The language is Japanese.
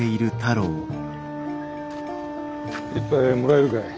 一杯もらえるかい？